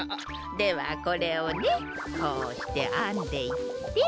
ではこれをねこうしてあんでいって。